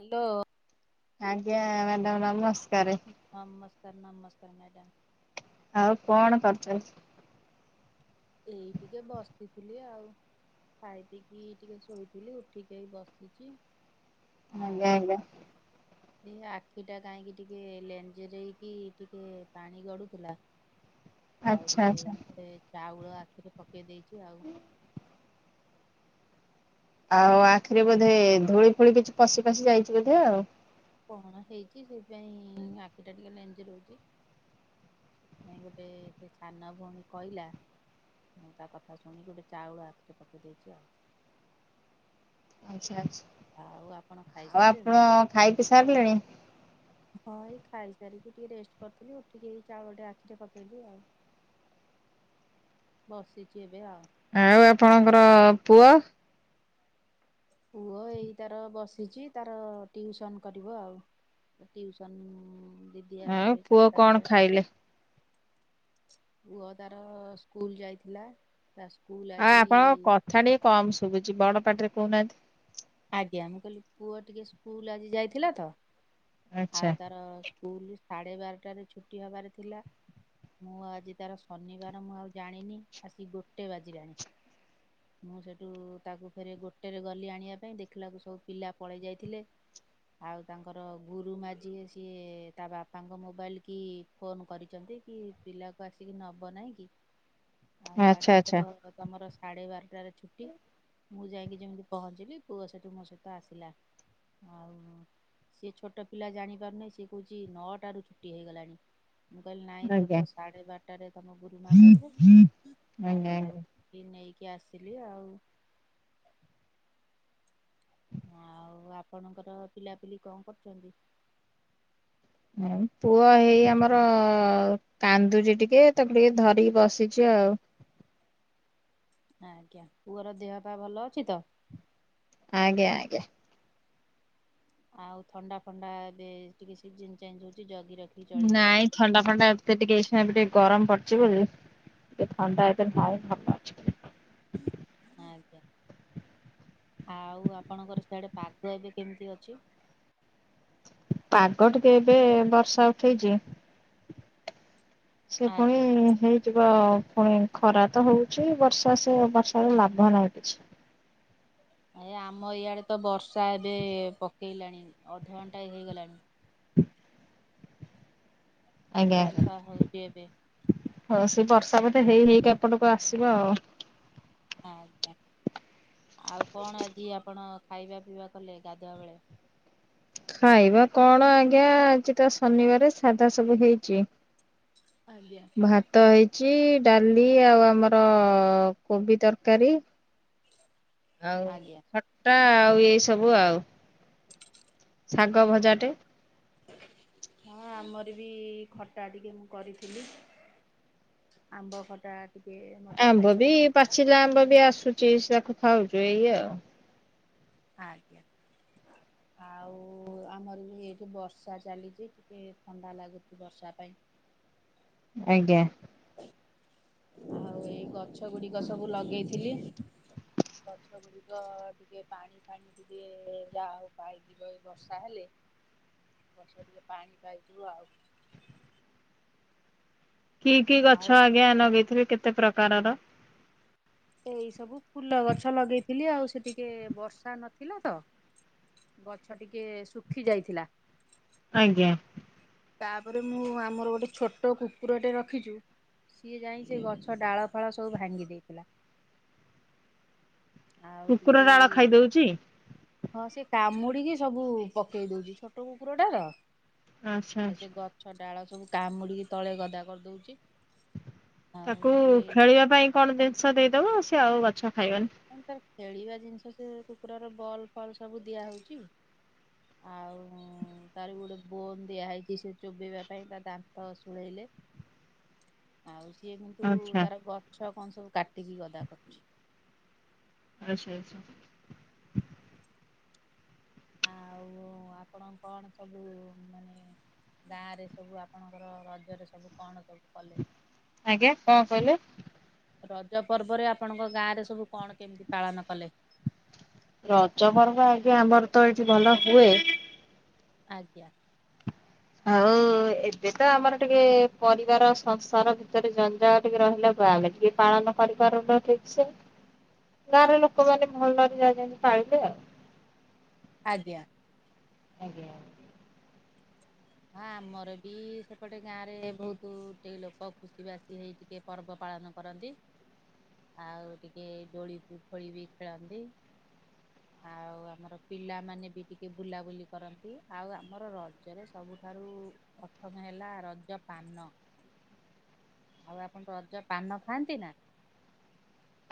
Hello. ଆଜ୍ଞା madam ନମସ୍କାର। ନମସ୍କାର ନମସ୍କାର ମ୍ୟାଡ଼ାମ। ଆଉ କଣ କରିଛନ୍ତି? ଏଇ ଟିକେ ବସିଥିଲି ଆଉ। ଖାଇ ପିଇକି ଟିକେ ଶୋଇଥିଲି ଉଠିକି ଏଇ ବସିଛି। ଆଜ ଆ ଆଉ ଏ ଆଖିଟା କାହିଁକି ଟିକେ ଲେଞ୍ଜରେଇକି ଟିକେ ପାଣି ଗଡୁଥିଲା। [inaudible] ଆଉ ଟିକେ ଆଚ୍ଛା ଏବେ ଚାଉଳ ଆଖିରେ ପକେଇ ଦେଇଛି ଆଉ। ଆଉ ଆଖିରେ ବୋଧେ ଧୂଳି ଫୁଳି କିଛି ପଶି ଫଶି ଯାଇଛି ବୋଧେ ଆଉ। କଣ ହେଇଛି ସେଇଥିପାଇଁ ଆଖିଟା ଟିକେ ଲେଞ୍ଜରେଉଛି। ନାଇ ଗୋଟେ ସେ ସାନ ଭଉଣୀ କହିଲା। ମୁଁ ତା କଥା ଶୁଣିକି ଗୋଟେ ଚାଉଳ ଆଖିରେ ପକେଇ ଦେଇଛି ଆଉ। [inaudible] ଆଚ୍ଛା ଆଉ ଆପଣ ଆଚ୍ଛା ଆଉ ଖାଇସାରିଲେଣି? ଆପଣ ଖାଇ ପିଇ ସାରିଲେଣି? ହଁ ଏଇ ଖାଇସାରିକି ଟିକେ ରେଷ୍ଟ କରିଥିଲି ଉଠିକି ଏଇ ଚାଉଳଟେ ଆଖିରେ ପକେଇଲି ଆଉ। ବସିଚି ଏବେ ଆଉ। ଆଉ ଆପଣଙ୍କର ପୁଅ? ପୁଅ ଏଇ ତାର ବସିଚି ତାର ଟିଉସନ କରିବ ଆଉ। ଏ ଟିଉସନ ଦି ଆଉ ପୁଅ କଣ ଖାଇଲେ? ପୁଅ ତାର ସ୍କୁଲ ଯାଇଥିଲା। ତା ସ୍କୁଲ। ଆଉ ଆଜି ଆପଣଙ୍କ କଥା ଟିକେ କମ୍ ଶୁବୁଚି ବଡ ପାଟିରେ କୋହୁନାହାନ୍ତି। ଆଜ୍ଞା ମୁଁ କହିଲି ପୁଅ ଟିକେ ସ୍କୁଲ ଆଜି ଯାଇଥିଲା ତ। ଆଚ୍ଛା ଆଉ ତାର ସ୍କୁଲ ସାଢେ ବାରଟାରେ ଛୁଟି ହବାର ଥିଲା। ମୁଁ ଆଜି ତାର ଶନିବାର ମୁଁ ଆଉ ଜାଣିନି ଆସିକି ଗୋଟେ ବାଜିଲାଣି। [inaudible] ମୁଁ ସେଇଠୁ ତାକୁ ଫେରେ ଗୋଟେରେ ଗଲି ଆଣିବା ପାଇଁ ଦେଖିଲାକୁ ସବୁ ପିଲା ପଳେଇ ଯାଇଥିଲେ। ଆଉ ତାଙ୍କର ଗୁରୁମା ଯିଏ ସିଏ ତା ବାପାଙ୍କ ମୋବାଇଲ କି ଫୋନ୍ କରିଚନ୍ତି କି ପିଲାକୁ ଆସିକି ନବ ନାଇଁ କି। [inaudible] ଆଉ ଆଜି ଆଚ୍ଛା ତ ତମର ସାଢେ ବାରଟାରେ ଛୁଟି। ମୁଁ ଯାଇକି ଯେମିତି ପହଞ୍ଚିଲି ପୁଅ ସେଠୁ ମୋ ସହିତ ଆସିଲା। ଆଉ ସିଏ ଛୋ ଟ ପିଲା ଜାଣି ପାରୁନାହିଁ। ସେ କୋହୁଚି ନଅଟାରୁ ଛୁଟି ହେଇଗଲାଣି। ମୁଁ କହିଲି ନାଇଁ ତୋର ଆଜ୍ଞା ତ ସାଢେ ବାରଟାରେ ତମ ଗୁରୁମା କହିଲେ ଆଜ୍ଞା ଆଉ [unintelligible] ବି ନେଇକି ଆସିଲି ଆଉ। ଆଉ ଆପଣଙ୍କର ପିଲାପିଲି କଣ କରୁଚନ୍ତି? ପୁଅ ହେଇ ଆମର କାନ୍ଦୁଚି ଟିକେ ତାକୁ ଟିକେ ଧରିକି ବସିଚି ଆଉ। ଆଜ୍ଞା ପୁଅର ଦେହ ପା ଭଲ ଅଛି ତ? ଆଜ୍ଞା ଆଜ୍ଞା। ଆଉ ଥଣ୍ଡା ଫଣ୍ଡା ଏବେ ଟିକେ ସିଜିନ ଚେଞ୍ଜ ହୋଉଚି ଜଗି ରଖି ନାଇଁ ଥଣ୍ଡା ଫଣ୍ଡା ଏତେ ଟିକେ ଏଇଖେଣେ ଏବେ ଟିକେ ଗରମ ପଡିଚି ବୋଲି ଟିକେ ଥଣ୍ଡା ଏତେ ନାଇଁ ଭଲ [unintelligible] ଆଜ୍ଞା। ଆଉ ଆପଣଙ୍କର ସିଆଡେ ପାଗ ଏବେ କେମିତି ଅଛି? ପାଗ ଟିକେ ଏବେ ବର୍ଷା ଉଠେଇଚି। ସେ ପୁଣି ଆଜ୍ଞା ହେଇ ଥିବ ଫୁଣି ଖରା ତ ହୋଉଚି। ବର୍ଷା ସେ ବର୍ଷାର ଲାଭ ନାହିଁ କିଛି। ଏ ଆମ ଇଆଡେ ତ ବର୍ଷା ଏବେ ପକେଇଲାଣି। ଅଧଘଣ୍ଟା ହେଇଗଲାଣି। ହୁଁ। ଆଜ୍ଞା ଆଜ୍ଞା ବର୍ଷା ହଉଛି ଏବେ ହୋଉ ସେ ବର୍ଷା ବୋନଧେ ହେଇ ହେଇକି ଏପଟକୁ ଆସିବ ଆଉ। ଆଜ୍ଞା ଆଉ କଣ ଆଜି ଆପଣ ଖାଇବା ପିଇବା କଲେ ଗାଧୁଆବେଳେ? ଖାଇବା କଣ ଆଜ୍ଞା ଆଜି ତ ଶନିବାର ସାଧା ସବୁ ହେଇଚି। ଆଜ୍ଞା। ଭାତ ହେଇଚି ଡାଲି ଆଉ ଆମର କୋବି ତରକାରୀ। ଆଉ ଆଜ୍ଞା। ଖଟା ଆଉ ଏଇ ସବୁ ଆଉ। ଶାଗ ଭଜାଟେ। ହଁ ଆମର ବି ଖଟା ଟିକେ ମୁଁ କରିଥିଲି। ଆମ୍ବ ଖଟା। ଟିକେ। ମତେ ଆମ୍ବ ବି ଖାଇବାକୁ ଭଲ ଲାଗେ ତ ପାଚିଲା ଆମ୍ବ ବି ଆସୁଛି ସେ ତାକୁ ଖାଉଛୁ ଏଇ ଆଉ। ଆଜ୍ଞା। ହ [inaudible] ଆଉ ଆମର ବି ଏଠି ବର୍ଷା ଚାଲିଛି, ଟିକେ ଥଣ୍ଡା ଲାଗୁଛି ବର୍ଷା ପାଇଁ। ଆଜ୍ଞା। ଆଉ ଏଇ ଗଛ ଗୁଡିକ ସବୁ ଲଗେଇଥିଲି। ଗଛ ଗୁଡିକ ଟିକେ ପାଣି ଫାଣି ଟିକେ ଯାହା [unintelligible] ଏଇ ବର୍ଷା ହେଲେ ଗଛ ଟିକେ ପାଣି ପାଇଯିବ ଆଉ। କି କି ଆଉ ଗଛ ଆଜ୍ଞା ଲଗେଇଥିବେ କେତେ ପ୍ରକାରର? ଏଇ ସବୁ ଫୁଲ ଗଛ ଲଗେଇଥିଲି ଆଉ ସେ ଟିକେ ବର୍ଷା ନଥିଲା ତ। ଗଛ ଟିକେ ଶୁଖି ଯାଇଥିଲା। ଆଜ୍ଞା। ତାପରେ ମୁଁ ଆମର ଗୋଟେ ଛୋଟ କୁକୁରଟେ ରଖିଛୁ ସିଏ ଯାଇ ସେ ଗଛ ଡାଳ ଫାଳ ସବୁ ଭାଙ୍ଗି ଦେଇଥିଲା। ଆଉ କୁକୁର ଟିକେ ଡାଳ ଏଇ ଖାଇଦଉଛି ହଁ ସେ କାମୁଡିକି ସବୁ ପକେଇ ଦଉଛି। ଛୋଟ କୁକୁରଟା ତ ଆଚ୍ଛା ଆଉ ସେ ଆଚ୍ଛା। ଗଛ ଡାଳ ସବୁ କାମୁଡିକି ତଳେ ଗଦା କରିଦଉଛି। ଆଉ ତାକୁ ସେ ଖେଳିବା ପାଇଁ କଣ ଜିନିଷ ଦେଇଦବ। ସିଏ ଆଉ ଗଛ ଖାଇବନି। ତାର ଖେଳିବା ଜିନିଷ ସେ କୁକୁରର ବଲ୍ ଫଲ୍ ସବୁ ଦିଆହଉଛି। ଆଉ ତାର ଗୋଟେ ବୋନ ଦିଆହେଇଛି ସେ ଚୋବେେଇବା ପାଇଁ। ତା ଦ ତ ଶୁଳେଇଲେ। [inaudible] ଆଉ ସିଏ କିନ୍ତୁ ଆଚ୍ଛା ତାର ଗଛ କଣ ସବୁ କାଟିକି ଗଦା କରୁଛି। ଆଚ୍ଛା, ଆଚ୍ଛା। ହଁ [inaudible] ଆଉ ଆପଣ କଣ ସବୁ ମାନେ ଗାଁ ରେ ସବୁ ଆପଣଙ୍କର ରଜରେ ସବୁ କଣ ସବୁ କଲେ? ଆଜ୍ଞା କଣ କହିଲେ? ରଜ ପର୍ବରେ ଆପଣଙ୍କ ଗାଁରେ ସବୁ କଣ କେମିତି ପାଳନ କଲେ? ରଜ ପର୍ବ ଆଜ୍ଞା ଆମର ତ ଏଇଠି ଭଲ ହୁଏ। ଆଜ୍ଞା। ଆଉ ଏବେ ତ ଆମର ଟିକେ ପରିବାର ସଂସାର ଭିତରେ ଜଞ୍ଜାଳ ଟିକେ ରହିଲା। ବାମ ଟ ପାଳନ କରିପାରୁନ ଠିକ ସେ। ଗାଁର ଲୋକମାନୋନ ଭଲରେ ଯାଇନ୍ତି ପାଳିଲେ ଆଉ। ଆଜ୍ଞା। [inaudible] ହଁ ଆମର ବି ସେପଟେ ଗାଁ ରେ ବହୁତ ଟିକେ ଲୋକ ଖୁସି ବାସି ହେଇ ଟିକେ ପର୍ବ ପାଳନ କରନ୍ତି। [inaudible] ଆଉ ଟିକେ ଡୋଳି ପୁଖୋଳି ବି ଖେଳନ୍ତି। ଆଉ ଆମର ପିଲାମାନେ ବି ଟିକେ ବୁଲାବୁଲି କରନ୍ତି ଆଉ ଆମର ରଜରେ ସବୁଠାରୁ ପ୍ରଥମ ହେଲା ରଜ ପାନ। ଆଉ ଆପଣଙ୍କ ରଜ ପାନ ଖାଆନ୍ତି ନା?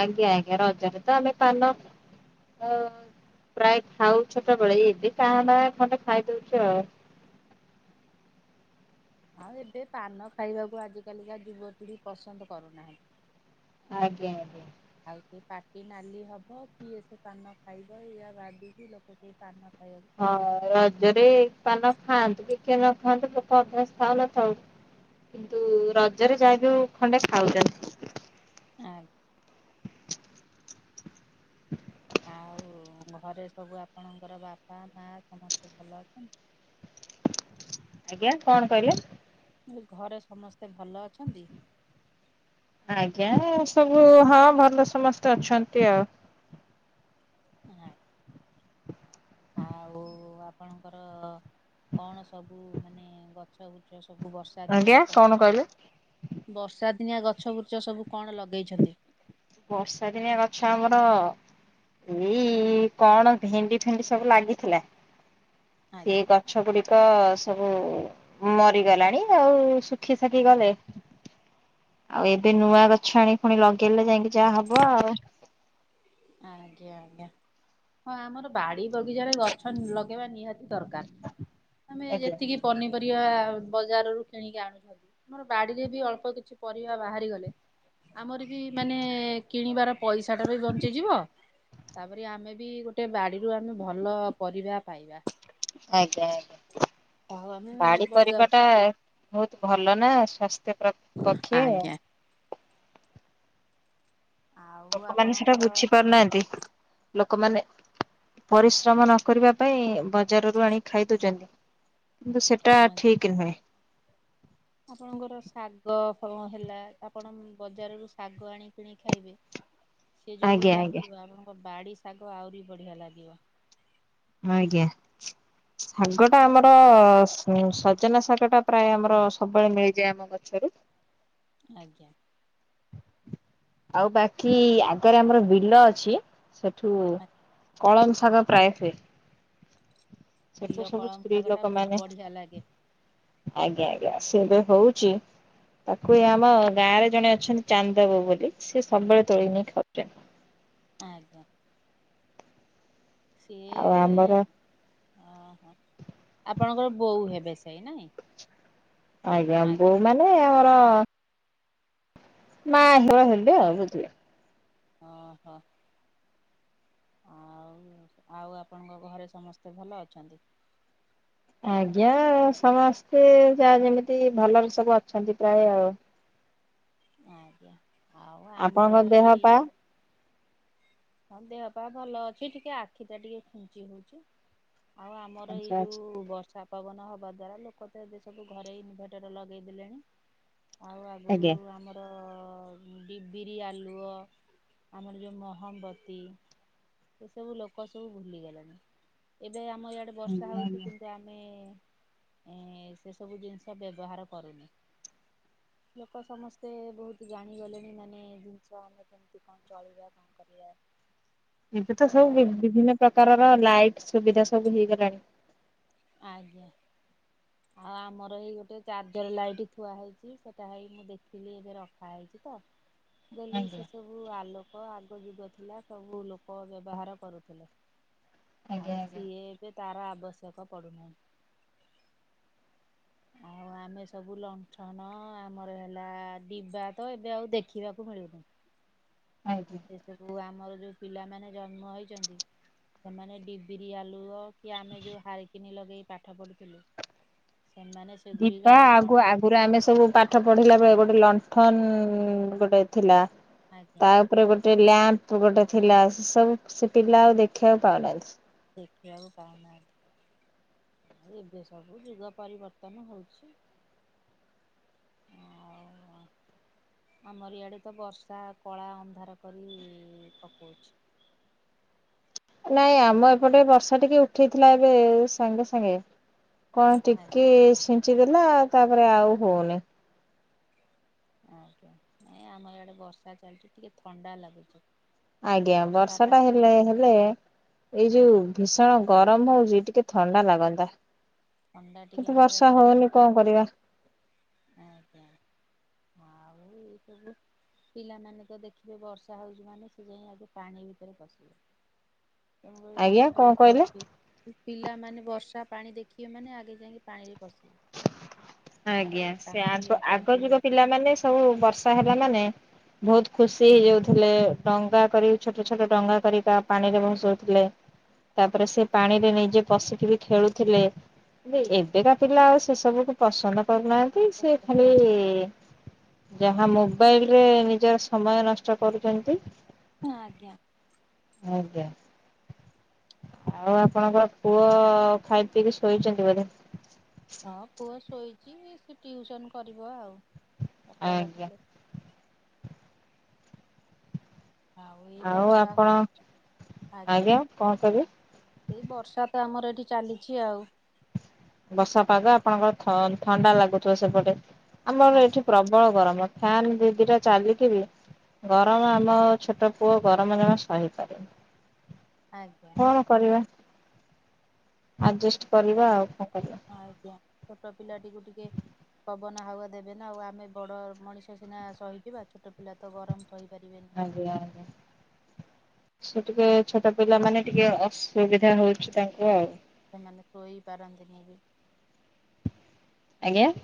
ଆଜ୍ଞା ଆଜ୍ଞା ରଜରେ ତ ଆମେ ପାନ ଓ ପ୍ରାୟ ଖାଉ ଛୋଟବେେଳେ ଏବେ କାହା ନା ଖଣ୍ଡେ ଖାଇଦଉଛ ଆଉ। ଆଉ ଏବେ ପାନ ଖାଇବାକୁ ଆଜିକଲିକା ଯୁବପିଢି ପସନ୍ଦ କରୁନାହାନ୍ତି। ଆଜ୍ଞା ଆଜ୍ଞା। ଆଉ ସେ ପାଟି ନାଲି ହବ କିଏ ସେ ପାନ ଖାଇବ ଏଇଆ ଭଧିକି ଲୋକ ସେ ପାନ ଖାଇବାକୁ ହଁ ପସନ୍ଦ ରଜରେ ପାନ ଖାଆନ୍ତୁ କି କିଏ ନ ଖାଆନ୍ତୁ ଲୋକ ଅଭ୍ୟାସ ଥାଉ ନଥାଉ କିନ୍ତୁ ରଜରେ ଯା ବି ହୋଉ ଖଣ୍ଡେ ଖାଉଛନ୍ତି ଆଁ୍ା ଆଉ ଘରେ ସବୁ ଆପଣଙ୍କର ବାପା ମା ସମସ୍ତେ ଭଲ ଅଛନ୍ତି। ଆଜ୍ଞା କଣ କହିଲେ ମୁ ଘରେ ସମସ୍ତେ ଭଲ ଅଛନ୍ତି। ଆଜ୍ଞା ସବୁ ହଁ ଭଲ ସମସ୍ତେ ଅଛନ୍ତି ଆଉ ହଁ ଆଉ ଆପଣଙ୍କର କଣ ସବୁ ମାନେ ଗଛ ବୁଛ ସବୁ ବର୍ଷ ଆଜ୍ଞା କଣ କହିଲେ? ବର୍ଷାଦିନିଆ ଗଛ ବୁଚଛ ସବୁ କଣ ଲଗେଇଛନ୍ତି? ବର୍ଷା ଦିନିଆ ଗଛ ଆମର ଏଇ କଣ ଭେଣ୍ଡି ଫେଣ୍ଡି ସବୁ ଲାଗିଥିଲା ସିଏ ଆଜ୍ଞା କ ଗଛ ଗୁଡିକ ସବୁ ମରିଗଲାଣି ଆଉ ଶୁଖି ଶାଖି ଗଲେ ଆଉ ଏବେ ନୂଆ ଗଛ ଆଣି ପୁଣି ଲଗେଇଲେ ଯାଇକି ଯାହା ହବ ଆଉ ଆଜ୍ଞା ଆଜ୍ଞା ହଁ ଆମର ବାଡି ବଗିଚାରେ ଗଛ ଲଗେଇବା ନିହାତି ଦରକାର ଆମେ ଆଜ୍ଞା ଯେତିକି ପନିପରିବା ବଜାରରୁୁ କିଣିକି ଆଣୁଛନ୍ତି ଆମର ବାଡିରେ ବି ଅଳ୍ପ କିଛି ପରିବା ବାହାରିଗଲେ। ଆମର ବି ମାନେ କିଣିବାର ପଇସାଟା ବଞ୍ଚିଯିବ ତାପରେ ଆମେ ବି ଗୋଟେ ବା ରୁ ଆମେ ଭଲ ପରିବା ପାଇବା ଆଜ୍ଞା ଆଜ୍ଞା ଆଉ ଆମେ ବାଡି ବଜାର ପରିବାଟା ଟା ବହୁତ ଭଲ ନା ସ୍ୱାସ୍ଥ୍ୟ ପ୍ର ପକ୍ଷେ ଆଜ୍ଞା ଆଉ ଲୋକମାନେ ସେଟା ଆପଣଙ୍କର ବୁଝି ପାରୁନାହାନ୍ତି। ଲୋକମାନେ ପରିଶ୍ରମ ନ କରିବା ପାଇଁ ବଜାରରୁ ଆଣିି ଖାଇ ଦଉଛନ୍ତି। କିନ୍ତୁ ସେଟା ଠିକ ନୁହେଁ ଆପଣଙ୍କର ଶାଗ କଣ ହେଲା ଆପଣ ବଜାରରୁ ଶାଗ ଆଣି କିଣିକି ଖାଇବେ [inaudible] ସେ ଯୋଉ ଭଳି ଆଜ୍ଞା ଲାଗିବ ଆପଣଙ୍କ ବାଡି ଶାଗ ଆହୁରି ବଢିଆ ଲାଗିବ ଆଜ୍ଞା ଶାଗ ଟା ଆମର ସ ସଜନା ଶାଗ ଟା ପ୍ରାୟ ଆମର ସବୁବେଳେ ମିଳିଯାଏ ଆମ ଗଛରୁ ଆଜ୍ଞା ଆଉ ବାକି ଆଗରେ ଆମର ବିଲ ଅଛି ସେଠୁ କଳନ ଶାଗ ପ୍ରାୟ ସେ ସେଠୁ ବିଲ ସବୁ କଳମ ସ୍ତ୍ରୀ ଶାଗ ଟା ଲୋକ ବହୁତ ମାନେ ବଢିଆ ଲାଗେ ଆଜ୍ଞା ଆଜ୍ଞା ସେ ଏବେ ହଉଛି ତାକୁ ଏ ଆମ ଗାଁ ରେ ଜଣେ ଅଛନ୍ତି ଚାନ୍ଦ ବୋଉ ବୋଲି ସି ସବୁବେଳେ ତୋଳି ନେଇି ଖାଉଛନ୍ତି ଆଜ୍ଞା ସିଏ ଆଉ ଆମର ଅହୋ ଆପଣଙ୍କର ବୋଉ ହେବେ ସେଇ ନାଇଁ ଆଜ୍ଞା ବୋଉ ମାନେ ଆମର ମା ଝିଅ ହେଲେ ଆଉ ବୁଝିବେ। ହଁ ହଁ ଆଉ ସବୁ ଆଉ ଆପଣଙ୍କ ଘରେ ସମସ୍ତେ ଭଲ ଅଛନ୍ତି। ଆଜ୍ଞା ସମସ୍ତେ ଯାହା ଯେମିତି ଭଲରେ ସବୁ ଅଛନ୍ତି ପ୍ରାୟ ଆଉ। ଆଜ୍ଞା ଆଉ ଆପଣଙ୍କ ଆମର ଦେହ ପା ଏଇ ହଁ ଦେହ ପାହା ଭଲ ଅଛି ଟିକେ ଆଖି ଟା ଟିକେ ଖୁଞ୍ଚି ହଉଛି। ଆଉ ଆମର ଆଚ୍ଛା ଏଇ ଆଚ୍ଛା ଯୋଉ ବର୍ଷ ତାପବନ ହବା ଦ୍ଵାରା ଲୋକ ତ ଏବେ ସବୁ ଘରେ ଇନଭର୍ଟର ଲଗେଇ ଦେଲେଣି। ଆଉ ଆଗରୁ ଆଜ୍ଞା ଆମ ତ ବିବିରି ଆଲୁଅ, ଆମର ଯେଉଁ ମହମବତୀ ତୀ ଏ ସବୁ ଲୋକ ସବୁ ଭୁଲିଗଲେଣି ଏବେ ଆମ ଇଆଡେ ବର୍ଷା ଆଜ୍ଞା ହଉଛି ଆଜ୍ଞା। କିନ୍ତୁ ଆମେ ଏ ସେ ସବୁ ଜିନିଷ ବ୍ୟବହାର କରୁନୁ। ଲୋକ ସମସ୍ତେ ବହୁତ ଜାଣିଗଲେଣି ମାନେ ଜିନିଷ ଆମ କେମିତି କଣ ଚଳିବା କଣ କରିବା। ଏବେ ତ ସବୁ ଆଉ ବିଭିନ୍ନ ପ୍ରକାରର ଲାଇଟ୍ ସୁବିଧା ସବୁ ହେଇଗଲାଣି। ଆଜ୍ଞା। ଆଉ ଆମର ଏଇ ଗୋଟେ ଚାର୍ଜର ଲାଇଟ୍ ଥୁଆ ହେଇଛି। ସେଟା ହେଇ ମୁଁ ଦେଖିଲି ଏବେ ରଖା ହେଇଛି ତ। ଦେଲି ଆଜ୍ଞା ସେ ସବୁ ଆଲୋକ ଆଗ ଯୁଗ ଥିଲା ସବୁ ଲୋକ ବ୍ୟବହାର କରୁଥିଲେ। ଆଜ୍ଞା ଆଉ ଆଜ୍ଞା। ସିଏ ଏବେ ତାର ଆବଶ୍ୟକ ପଡୁନାହିଁ। ଆଉ ଆମେ ସବୁ ଲଣ୍ଠନ ଆମର ହେଲା ଡିବା ତ ଏବେ ଆଉ ଦେଖିବାକୁ ମିଳୁନି। ଆଜ୍ଞା। ସେସବୁ ଆମର ଯୋଉ ପିଲାମାନେ ଜନ୍ମ ହୋଇଛନ୍ତି। ସେମାନେ ଡିବିରି ଆଲୁଅ କି ଆମେ ଯଉ ହାରକିନି ଲଗେଇ ପାଠ ପଢୁଥିଲୁ। ସେମାନେ ସେଗୁଡିକ ଦିବା ଆଉ କଣ ଆଗୁ ଆଗ ପୁରା ଆମେ ସବୁ ପାଠ ପଢିଲା ବେଳେ ଗୋଟେ ଲଣ୍ଠନ ଗୋଟେ ଥିଲା। ଆଜ୍ଞା ତା ଉପରେ ଗୋଟେ ଲ୍ୟାମ୍ପ ଗୋଟେ ଥିଲା ସେ ସବୁ ସେ ପିଲା ଆଉ ଦେଖିବାକୁ ପାଉନାହାନ୍ତି। ଦେଖିବାକୁ ପାଉନାହାନ୍ତି। ଏବେ ସବୁ ଯୁଗ ପରିବର୍ତ୍ତନ ହଉଛି। ଆଉ ଆମର ଇଆଡ଼େ ତ ବର୍ଷା କଳା ଅନ୍ଧାର କରି ପକଉଛି। ନାଇଁ ଆମ ବର୍ଷା ଏପଟେ ବର୍ଷା ଟିକେ ଉଠେଇଥିଲା ଏବେ ସାଙ୍ଗେ ସାଙ୍ଗେ କଣ ଆଜ୍ଞା ଟିକେ ଛିଞ୍ଚିଦେଲା ତାପରେ ଆଉ ହଉନି। ଆଜ୍ଞା ନାଇ ଆମ ଏଆଡେ ବର୍ଷା ଚାଲିଛି ଟିକେ ଥଣ୍ଡା ଲାଗୁଛି। ଆଜ୍ଞା ବର୍ଷା ଟା ହେଲେ ହେଲେ ଏଇ ଆଜ୍ଞା ଯୋଉ ଭୀଷଣ ଗରମ ହଉଛି ଟିକେ ଥଣ୍ଡା ଲାଗନ୍ତା। ଥଣ୍ଡାଟିିକେ ଆମର ଆଡକେ ଆ ପରିବା। ଆଉ ଏ ସବୁ ପିଲାମାନେ ତ ଦେଖିବେ ବର୍ଷା ହଉଛି ମାନେ ସେ ଯାଇ ଆଗେ ପାଣି ଭିତରେ ପଶିବେ। ତେଣୁକରି ଆଜ୍ଞା ତାଙ୍କୁ କଣ ଟିକେ ଜବ କହିଲେ? ଦି ଇ ପିଲାମାନେେ ବର୍ଷା ପାଣି ଦେଖିବେ ମାନେ ଆଗେ ଯାଇକି ପାଣିରେ ପଶିବେ। ଆଉ ଆଜ୍ଞା ସେ ତାଙ୍କୁ ଆଗ ଟିକେ ଆଗ ଜଗିବା ଯୁଗ ପିଲାମାନେେ ସବୁ ବର୍ଷା ହେଲା ମାନେ ବହୁତ ଖୁସି ହେଇଯାଉଥିଲେ। ଡଙ୍ଗା କରି ଛୋଟ ଛୋଟ ଡଙ୍ଗା କରିକା ପାଣିରେ ଭସଉଥିଲେ। ତାପରେ ଆଜ୍ଞା ସେ ପାଣିରେ ନିଜେ ପଶିକି ବି ଖେଳୁଥିଲେ ଏବେକା ପିଲା ଆ ସେ ସବୁକୁ ପସନ୍ଦ କରୁନାହାନ୍ତି। ସେ ପସନ୍ଦ ଖାଲି କରୁନାହାନ୍ତି ଯାହା ମୋବାଇଲ ରେ ନିଜର ସମୟ ନଷ୍ଟ କରୁଛନ୍ତି। ହଁ ଆଜ୍ଞା ଆଜ୍ଞା। ଆଉ ଆପଣଙ୍କ ପୁଅ ଖାଇ ପିଇକି ଶୋଇଛନ୍ତି ବୋଧେ ହଁ ପୁଅ ଶୋଇଛି ସେ ଟିଉସନ୍ କରିବ ଆଉ ଚାରିଟା ଆଜ୍ଞା। ବାଜିଲେ ଆଉ ଏଇ ବର୍ଷା ହଉଛି ଆଜ୍ଞା କଣ କହିବେ? ଏଇ ବର୍ଷା ତ ଆମର ଏଠି ଚାଲିଛି ଆଉ ବର୍ଷା ପାଗ ଆପଣଙ୍କର ଥଣ୍ଡା ଲାଗୁଥିବ ସେପଟେ ଆମର ଏଠି ଆଜ୍ଞା ପ୍ରବଳ ଗରମ ଫ୍ୟାନ ଦି ଦିଟା ଚାଲିକିବି। ଗରମ ଆମ ଛୋଟ ପୁଅ, ଗରମ ଜମା ସହିପାରେନି। ଆଜ୍ଞା। କଣ କରିବା, ଆଡଜେଷ୍ଟ କରିବା ଆଉ କଣ? କରିବା ହ ଆଜ୍ଞା, ଛୋଟ ପିଲାଟିକୁ ଟିକେ ପବନ ହାୱା ଦେବେ ନା, ଆଉ ଆମେ ବଡ ମଣିଷ ସିନା ସହିଯିବା, ଛୋଟ ପିଲା ତ ଗରମ ସହିପାରିବେନି। ଆଜ୍ଞା ଆ ସେ ଟିକେ ଛୋଟ ପିଲା ମାନେ ଟିକେ ଅସୁବିଧା ହଉଛି ତାଙ୍କୁ ଆଉ ସେମାନେ ଶୋଇ ପାରନ୍ତିନି ବି ଆଜ୍ଞା